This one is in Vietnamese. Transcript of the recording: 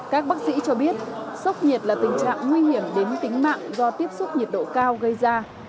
các bác sĩ cho biết sốc nhiệt là tình trạng nguy hiểm đến tính mạng do tiếp xúc nhiệt độ cao gây ra